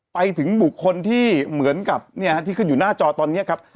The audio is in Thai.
ไปถึงบุคคลที่เหมือนกับที่ขึ้นอยู่หน้าจอตอนนี้ครับ